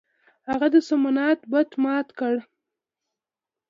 هغه د سومنات معبد مات کړ.